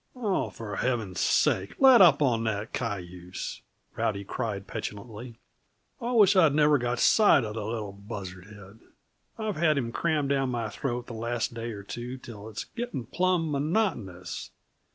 "Oh, for Heaven's sake let up on that cayuse!" Rowdy cried petulantly. "I wish I'd never got sight of the little buzzard head; I've had him crammed down my throat the last day or two till it's getting plumb monotonous.